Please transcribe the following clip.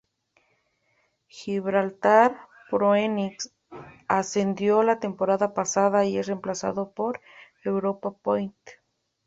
Gibraltar Phoenix ascendió la temporada pasada y es reemplazado por Europa Point.